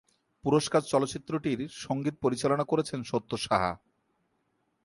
পুরস্কার চলচ্চিত্রটির সঙ্গীত পরিচালনা করেছেন সত্য সাহা।